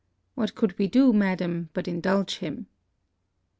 What could we do, Madam, but indulge him?'